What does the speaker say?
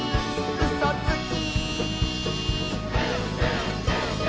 「うそつき！」